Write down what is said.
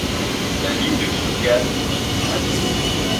La ville de Kinnegad compte habitants.